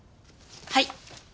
はい。